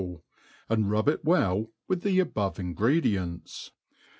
Uf ^lepicUe, and rub it wdl with the above ingredients.